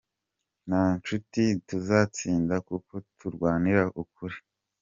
Nta shiti tuzatsinda kuko turwanira ukuri.